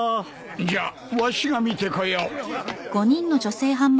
じゃあわしが見てこよう。